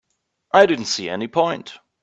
I didn't see any point.